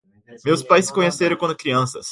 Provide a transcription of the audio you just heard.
Meus pais se conheceram quando crianças.